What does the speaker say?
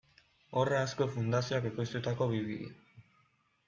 Horra Azkue Fundazioak ekoiztutako bi bideo.